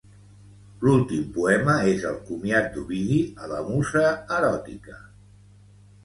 L'últim poema és el comiat d'Ovidi a la musa eròtica.